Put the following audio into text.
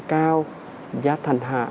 cao giá thành hạ